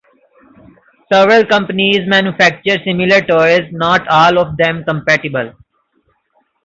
Several companies manufacture similar toys, not all of them compatible.